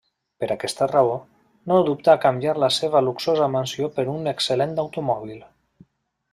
Per aquesta raó, no dubta a canviar la seva luxosa mansió per un excel·lent automòbil.